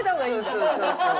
そうそうそうそう。